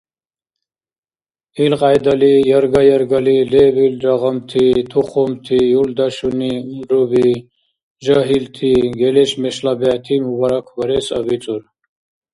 Илкьяйдали ярга-яргали, лебилра гъамти, тухумти, юлдашуни, унруби, жагьилти, гелешмешла бегӀти мубаракбарес абицӀур.